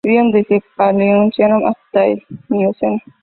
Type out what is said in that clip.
Vivieron desde el Paleoceno hasta el Mioceno.